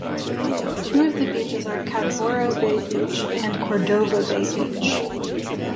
Two of the beaches are Cadboro Bay Beach and Cordova Bay Beach.